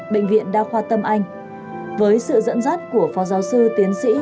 bệnh viện đa khoa tâm anh với sự dẫn dắt của phó giáo sư tiến sĩ